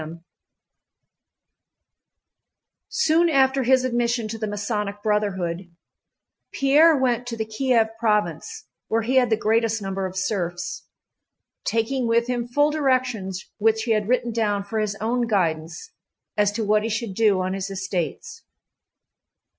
CHAPTER X Soon after his admission to the Masonic Brotherhood, Pierre went to the Kiev province, where he had the greatest number of serfs, taking with him full directions which he had written down for his own guidance as to what he should do on his estates.